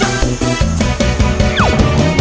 เฮ้ย